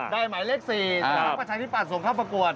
ได้หมายเลขสี่สำหรับประชาธิปัตย์สมครับประกวด